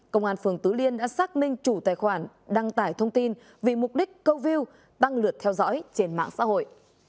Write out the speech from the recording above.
công an phường tứ liên đã xác minh chủ tài khoản đăng tải thông tin vì mục đích câu view tăng lượt theo dõi trên mạng xã hội